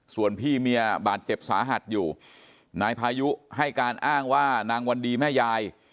ส่วนพี่เมียบาดเจ็บสาหัสอยู่นายพายุให้การอ้างว่านางวันดีแม่ยาย